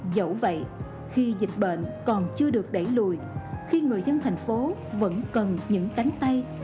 dẫu vậy khi dịch bệnh còn chưa được đẩy lùi khi người dân thành phố vẫn cần những cánh tay